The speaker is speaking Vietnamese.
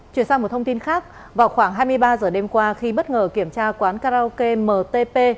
chuyển sang một thông tin khác vào khoảng hai mươi ba h đêm qua khi bất ngờ kiểm tra quán karaoke mtp